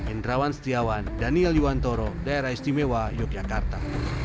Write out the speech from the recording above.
indrawan setiawan daniel yuwantoro daerah istimewa yogyakarta